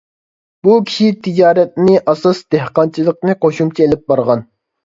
بۇ كىشى تىجارەتنى ئاساس، دېھقانچىلىقنى قوشۇمچە ئېلىپ بارغان.